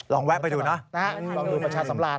แวะไปดูนะลองดูประชาสำราญ